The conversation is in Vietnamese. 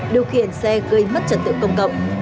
điều khiển xe gây mất trật tự công cộng